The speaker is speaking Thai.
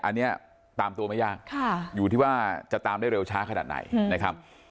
อันนี้ตามตัวไม่ยากอยู่ที่ว่าจะตามได้เร็วช้าขนาดไหนนะครับ